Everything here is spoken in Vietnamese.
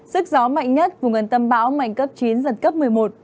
sức gió mạnh nhất vùng gần tâm bão mạnh cấp chín giật cấp một mươi một